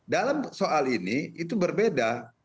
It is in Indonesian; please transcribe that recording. dalam soal ini itu berbeda